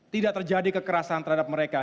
tidak terjadi kekerasan terhadap mereka